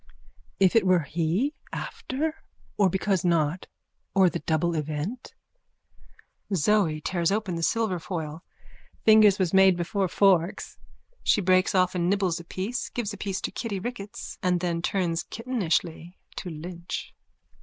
_ If it were he? After? Or because not? Or the double event? ZOE: (Tears open the silverfoil.) Fingers was made before forks. _(She breaks off and nibbles a piece, gives a piece to Kitty Ricketts and then turns kittenishly to Lynch.)